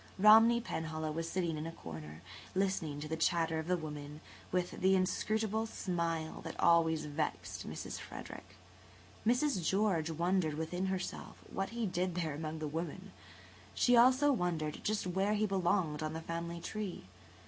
Romney Penhallow was sitting in a corner, listening to the chatter of the women, with the inscrutable smile that always vexed Mrs. Frederick. Mrs. George wondered within herself what he did there among the women. She also wondered just where he belonged on the family tree.